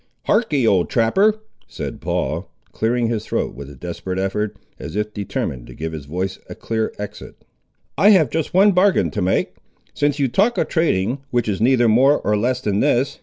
"Harkee, old trapper," said Paul, clearing his throat with a desperate effort, as if determined to give his voice a clear exit; "I have just one bargain to make, since you talk of trading, which is neither more or less than this.